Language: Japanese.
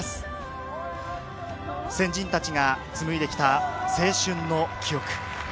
先人たちが紡いできた青春の記録。